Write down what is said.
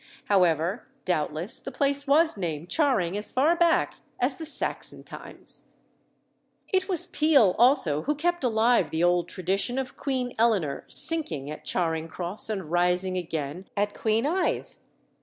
However, doubtless, the place was named Charing as far back as the Saxon times. It was Peele also who kept alive the old tradition of Queen Eleanor sinking at Charing Cross and rising again at Queenhithe.